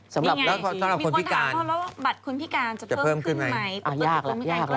สำหรับคนพิการจะเพิ่มขึ้นไหมอ่ายากแล้วยากแล้ว